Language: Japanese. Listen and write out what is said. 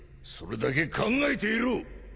それだけ考えていろ！